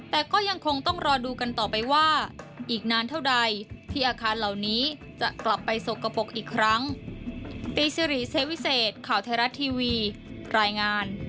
แต่ก็ยังคงต้องรอดูกันต่อไปว่าอีกนานเท่าใดที่อาคารเหล่านี้จะกลับไปสกปรกอีกครั้ง